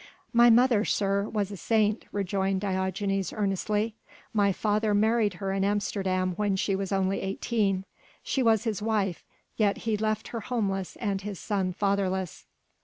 "My mother, sir, was a saint," rejoined Diogenes earnestly, "my father married her in Amsterdam when she was only eighteen. She was his wife, yet he left her homeless and his son fatherless."